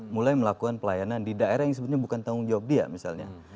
mulai melakukan pelayanan di daerah yang sebetulnya bukan tanggung jawab dia misalnya